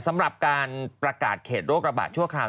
สำหรับการประกาศเขตโรคระบาดชั่วคราว